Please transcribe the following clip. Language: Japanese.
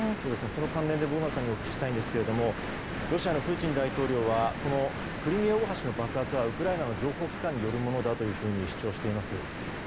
その関連でボグダンさんにお聞きしたいんですけどもロシアのプーチン大統領はこのクリミア大橋の爆発はウクライナの情報機関によるものだと主張しています。